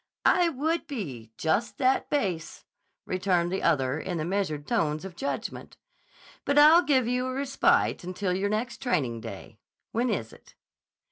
_" "I would be just that base," returned the other in the measured tones of judgment. "But I'll give you a respite until your next training day. When is it?"